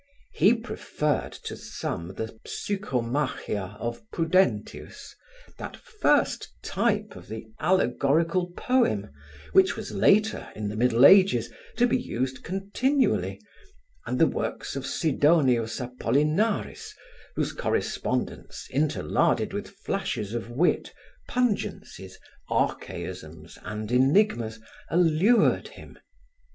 He preferred to thumb the Psychomachia of Prudentius, that first type of the allegorical poem which was later, in the Middle Ages, to be used continually, and the works of Sidonius Apollinaris whose correspondence interlarded with flashes of wit, pungencies, archaisms and enigmas, allured him.